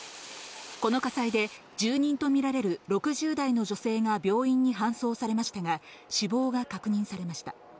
この火災で住人とみられる６０代の女性が病院に搬送されましたが、死亡が確認されました。